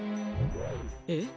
えっ！